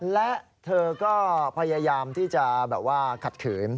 และเธอก็พยายามที่จะแบบว่าขัดขืน